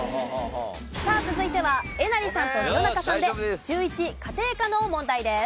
さあ続いてはえなりさんと弘中さんで中１家庭科の問題です。